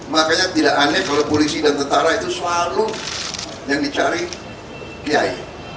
makanya tidak aneh kalau polisi dan tentara itu selalu yang dicari kiai